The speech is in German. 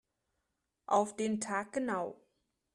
Auf den Tag genau.